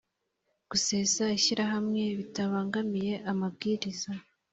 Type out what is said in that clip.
Gusesa ishyirahamwe bitabangamiye amabwiriza